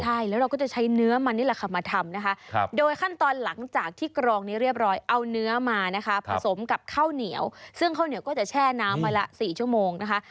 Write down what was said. ใช่แล้วเราก็จะใช้เนื้อมันนี่แหละค่ะมาทำนะคะโดยขั้นตอนหลังจากที่กรองนี้เรียบร้อยเอาเนื้อมานะคะผสมกับข้าวเหนียวซึ่งข้าวเหนียวก็จะแช่น้ำไว้ละ๔ชั่วโมงนะคะ